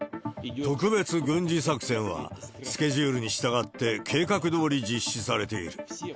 特別軍事作戦は、スケジュールに従って計画どおり実施されている。